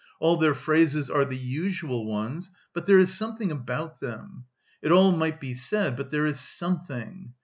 All their phrases are the usual ones, but there is something about them.... It all might be said, but there is something.